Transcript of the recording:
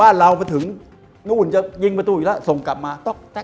เรามาถึงนู่นจะยิงประตูอีกแล้วส่งกลับมา